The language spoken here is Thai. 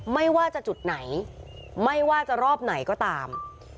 ไม่ว่าจะจุดไหนไม่ว่าจะรอบไหนก็ตาม